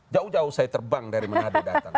jauh jauh saya terbang dari mana dia datang